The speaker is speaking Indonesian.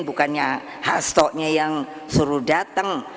bukannya hastonya yang suruh datang